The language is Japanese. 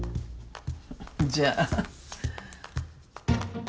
じゃあ。